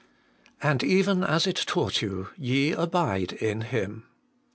4. ' And even as it taught you, ye abide in Him.'